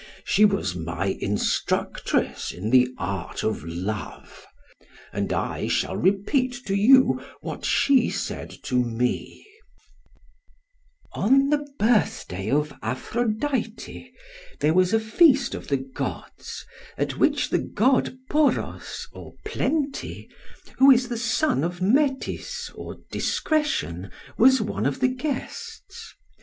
She was my instructress in the art of love, and I shall repeat to you what she said to me: 'On the birthday of Aphrodite there was a feast of the gods, at which the god Poros or Plenty, who is the son of Metis or Discretion, was one of the guests.